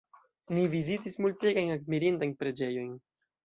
Ni vizitis multegajn admirindajn preĝejojn.